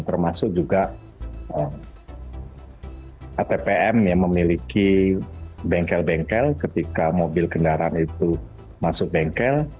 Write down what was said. termasuk juga atpm yang memiliki bengkel bengkel ketika mobil kendaraan itu masuk bengkel